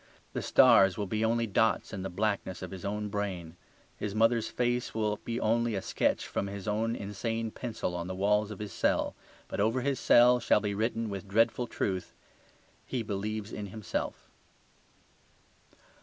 The stars will be only dots in the blackness of his own brain; his mother's face will be only a sketch from his own insane pencil on the walls of his cell. But over his cell shall be written, with dreadful truth, "He believes in himself."